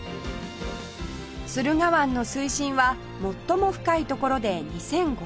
駿河湾の水深は最も深い所で２５００メートル